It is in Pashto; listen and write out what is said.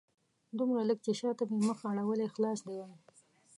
دومره لږ چې شاته مې مخ اړولی خلاص دې وای